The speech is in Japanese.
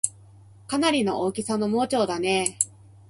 かなりの大きさの盲腸だねぇ